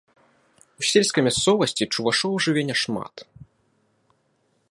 У сельскай мясцовасці чувашоў жыве няшмат.